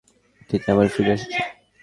চিতা আবার ফিরে এসেছে।